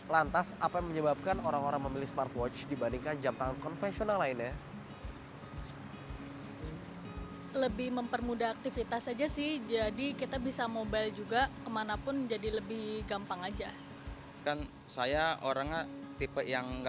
lantas apa yang menyebabkan orang orang memilih smartwatch dibandingkan jam tangan konvensional lainnya